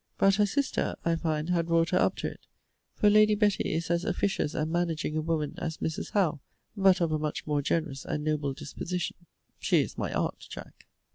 But her sister, I find had wrought her up to it: for Lady Betty is as officious and managing a woman as Mrs. Howe; but of a much more generous and noble disposition she is my aunt, Jack.